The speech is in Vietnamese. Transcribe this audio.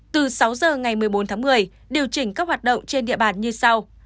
từ sáu giờ ngày một mươi bốn tháng một mươi điều chỉnh các hoạt động trên địa bàn như sau